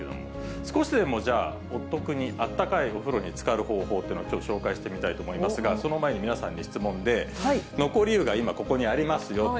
少しでもじゃあ、お得にあったかいお風呂につかる方法っていうのを、ちょっと紹介してみたいと思いますが、その前に皆さんに質問で、残り湯が今、ここにありますよと。